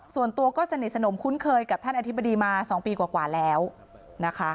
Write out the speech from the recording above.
ส่วนตัวก็สนิทสนมคุ้นเคยกับท่านอธิบดีมา๒ปีกว่าแล้วนะคะ